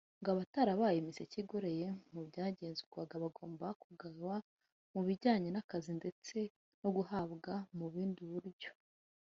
ngo abatarabaye miseke igoroye mu byagenzurwaga bagombaga kugawa mu bijyanye n’akazi ndetse no guhanwa mu bundi buryo